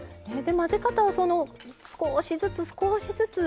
混ぜ方はその少しずつ少しずつ。